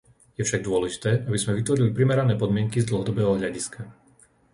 Je však dôležité, aby sme vytvorili primerané podmienky z dlhodobého hľadiska.